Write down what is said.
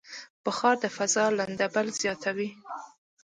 بخار د فضا لندبل زیاتوي.